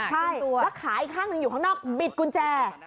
ใช่แล้วขาอีกข้างหนึ่งอยู่ข้างนอกบิดกุญแจ